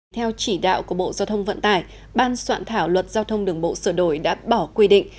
theo chỉ đạo của bộ giao thông vận tải ban soạn thảo luật giao thông đường bộ sửa đổi đã bỏ quy định